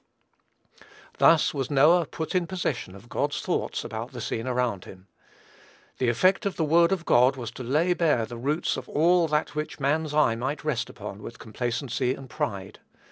Thus was Noah put in possession of God's thoughts about the scene around him. The effect of the word of God was to lay bare the roots of all that which man's eye might rest upon with complacency and pride.